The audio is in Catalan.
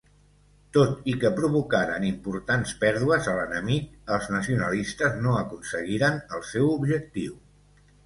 Tot i que provocaren importants pèrdues a l'enemic, els nacionalistes no aconseguiren el seu objectiu.